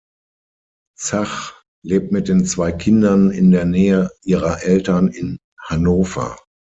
Zach lebt mit den zwei Kindern in der Nähe ihrer Eltern in Hannover.